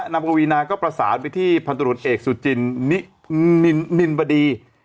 นำบวีนาก็ประสานไปที่พันธุ์บุหรษเอกสุจินนินบดี